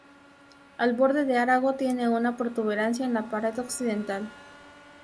El borde de Arago tiene una protuberancia en la pared occidental.